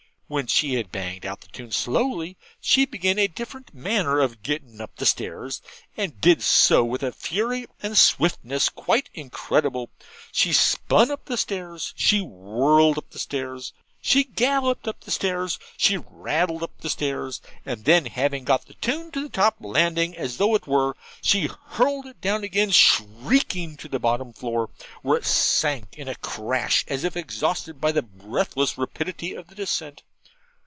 When she had banged out the tune slowly, she began a different manner of 'Gettin' up Stairs,' and did so with a fury and swiftness quite incredible. She spun up stairs; she whirled up stairs: she galloped up stairs; she rattled up stairs; and then having got the tune to the top landing, as it were, she hurled it down again shrieking to the bottom floor, where it sank in a crash as if exhausted by the breathless rapidity of the descent.